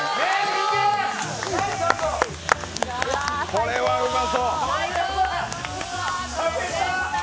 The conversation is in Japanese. これはうまそう！